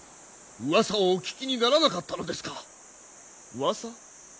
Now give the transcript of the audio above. うわさをお聞きにならなかったのですか？うわさ？